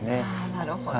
なるほど。